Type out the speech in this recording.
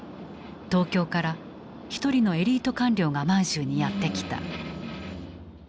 東京から一人のエリート官僚が満州にやって来た。